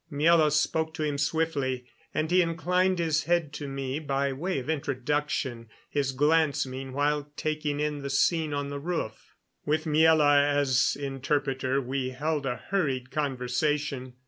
Miela spoke to him swiftly, and he inclined his head to me by way of introduction, his glance meanwhile taking in the scene on the roof. With Miela as interpreter we held a hurried conversation.